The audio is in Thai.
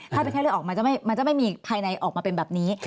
ถ้าเป็นไข้เลือดออกมันจะไม่มีภายในออกมาเป็นแบบนี้